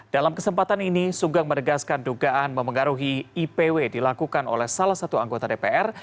dalam kesempatan ini sugeng menegaskan dugaan memengaruhi ipw dilakukan oleh salah satu anggota dpr